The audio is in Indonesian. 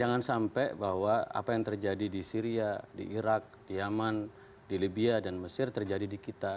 jangan sampai bahwa apa yang terjadi di syria di irak di yemen di libya dan mesir terjadi di kita